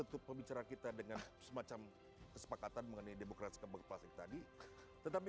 untuk pembicaraan kita dengan semacam kesepakatan mengenai demokrasi kembang plastik tadi tetapi